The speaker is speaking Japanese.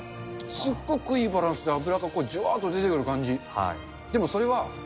すっごくいいバランスで、脂がじゅわーっと出てくる感じ。